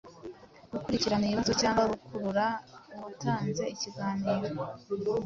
gukurikirana ibibazo cyangwa gukurura uwatanze ikiganiro